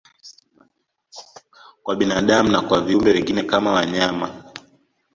Kwa binadamu na kwa viumbe wengine kama wanyama